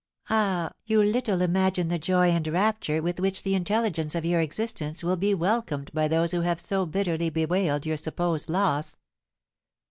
"Ah, you little imagine the joy and rapture with which the intelligence of your existence will be welcomed by those who have so bitterly bewailed your supposed loss!"